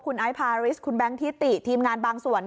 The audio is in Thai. คุณไอซ์พาริสคุณแบงค์ทิติทีมงานบางส่วน